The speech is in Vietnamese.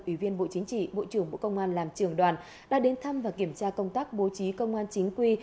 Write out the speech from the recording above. ủy viên bộ chính trị bộ trưởng bộ công an làm trường đoàn đã đến thăm và kiểm tra công tác bố trí công an chính quy